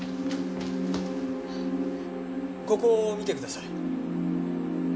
ここを見てください。